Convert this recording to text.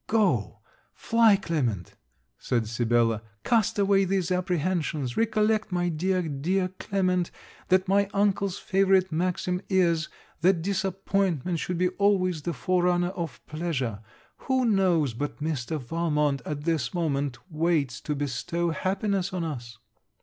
'Go! fly, Clement!' said Sibella: 'Cast away these apprehensions. Recollect, my dear, dear Clement, that my uncle's favourite maxim is, that disappointment should be always the forerunner of pleasure. Who knows but Mr. Valmont at this moment waits to bestow happiness on us?'